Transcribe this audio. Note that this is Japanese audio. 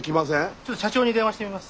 ちょっと社長に電話してみます。